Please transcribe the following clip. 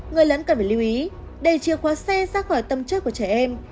người lớn cần phải lưu ý để chia khóa xe ra khỏi tâm chất của trẻ em